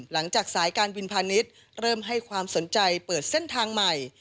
หลังจากสายการบินพาณิชย์เริ่มให้ความสนใจเปิดเส้นทางใหม่